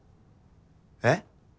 えっ？